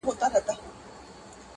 • نیژدې لیري یې وړې پارچې پرتې وي -